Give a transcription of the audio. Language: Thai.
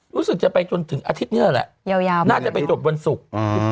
รู้สึกจะไปจนถึงอาทิตย์นี้แหละยาวน่าจะไปจบวันศุกร์